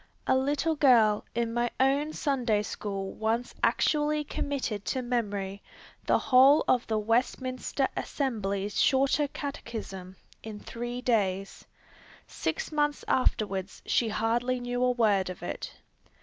A little girl in my own Sunday School once actually committed to memory the whole of the Westminster Assembly's Shorter Catechism in three days! Six months afterwards she hardly knew a word of it.